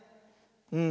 うん。